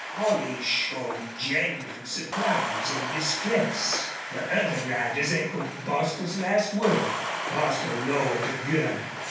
Holley showed genuine surprise and distress. The other riders echoed Bostil's last word. Bostil lowered the gun.